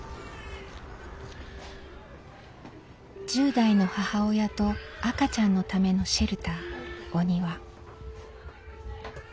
１０代の母親と赤ちゃんのためのシェルター「おにわ」。